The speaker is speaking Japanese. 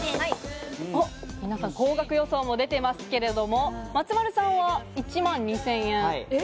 皆さん、高額予想も出ていますけれども、松丸さんは１万２０００円。